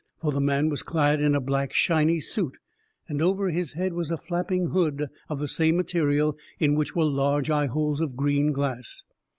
For the man was clad in a black, shiny suit, and over his head was a flapping hood of the same material in which were large eyeholes of green glass.